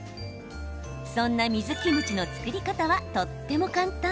そんな水キムチの造り方はとっても簡単。